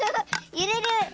ゆれる！